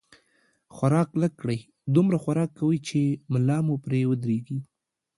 خوراک لږ کړئ، دومره خوراک کوئ، چې ملا مو پرې ودرېږي